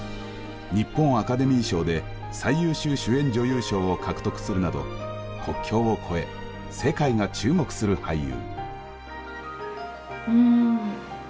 日本アカデミー賞で最優秀主演女優賞を獲得するなど国境を超え世界が注目する俳優。